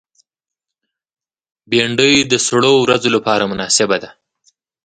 بېنډۍ د سړو ورځو لپاره مناسبه ده